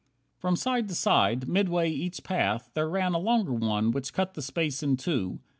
28 From side to side, midway each path, there ran A longer one which cut the space in two.